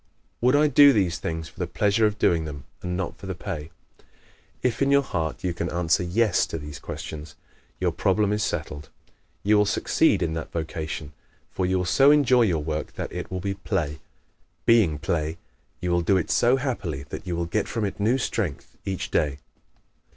_ Would I do these things for the =pleasure= of doing them and not for the =pay=? If, in your heart, you can answer "Yes" to these questions, your problem is settled; you will succeed in that vocation. For you will so enjoy your work that it will be play. Being play, you will do it so happily that you will get from it new strength each day.